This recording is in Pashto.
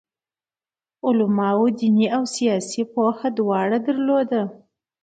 علماوو دیني او سیاسي پوهه دواړه درلوده.